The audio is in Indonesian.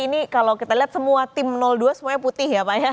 ini kalau kita lihat semua tim dua semuanya putih ya pak ya